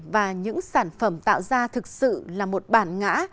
và những sản phẩm tạo ra thực sự là một bản ngã